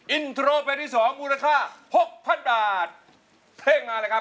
อินโทรเพลงที่๒มูลค่า๖๐๐๐บาทเท่งมาเลยครับ